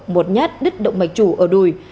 một nhát đứt động mạch chủ ở đùi